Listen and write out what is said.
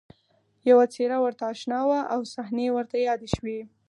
یوه څېره ورته اشنا وه او صحنې ورته یادې شوې